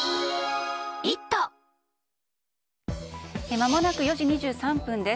まもなく４時２３分です。